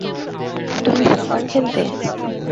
তুমি সকার খেলতে?